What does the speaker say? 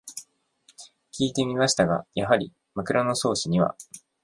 きいてみましたが、やはり「枕草子」には